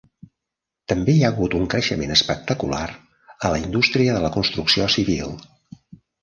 També hi ha hagut un creixement espectacular a la indústria de la construcció civil.